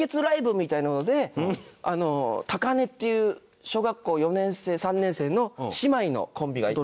たかねっていう小学生４年生３年生の姉妹のコンビがいて。